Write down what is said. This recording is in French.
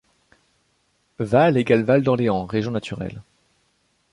Val = Val d'Orléans, région naturelle.